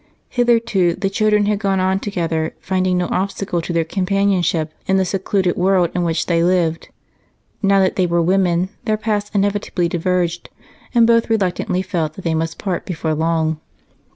Hitherto the children had gone on together, finding no obstacles to their companionship in the secluded world in which they lived. Now that they were women their paths inevitably diverged, and both reluctantly felt that they must part before long.